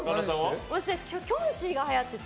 私はキョンシーがはやってて。